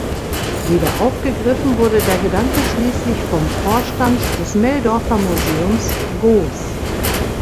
Wieder aufgegriffen wurde der Gedanke schließlich vom Vorstand des Meldorfer Museums Goos.